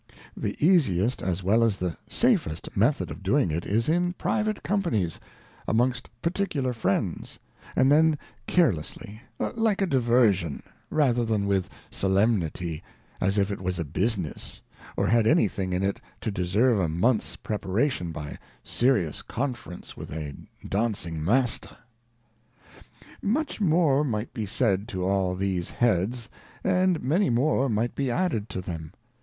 The easiest as well as the safest Method of doing it, is in private Companies, amongst particular Friends, and then carelesly, like a Diversion, rather than with Solemnity, as if it was a business, or had any thing in it to deserve a Month's preparation by serious Conference vrith a Dancing Master. Much more might be said to all these Heads, and many more might be added to them.